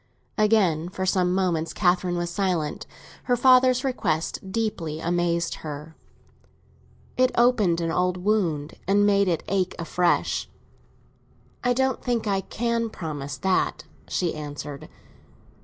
Again, for some moments, Catherine was silent; her father's request deeply amazed her; it opened an old wound and made it ache afresh. "I don't think I can promise that," she answered.